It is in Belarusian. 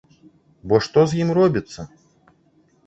Бо што з ім робіцца?